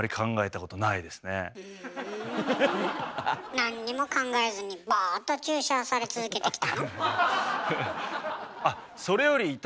なんにも考えずにボーっと注射され続けてきたの？